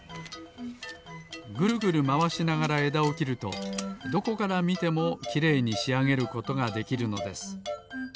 ぐるぐるまわしながらえだをきるとどこからみてもきれいにしあげることができるのです。